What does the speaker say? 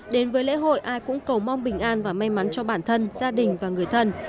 đến với lễ hội ai cũng cầu mong bình an và may mắn cho bản thân gia đình và người thân